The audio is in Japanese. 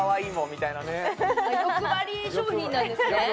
欲張り商品なんですね？